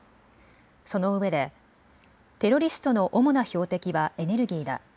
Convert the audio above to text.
そのうえでテロリストの主な標的はエネルギーだ。